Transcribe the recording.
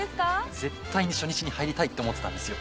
絶対に初日に入りたいって思ってたんですよ。